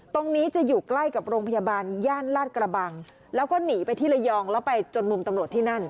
ตรงนี้จะอยู่ใกล้กับโรงพยาบาลย่านลาดกระบังแล้วก็หนีไปที่ระยองแล้วไปจนมุมตำรวจที่นั่น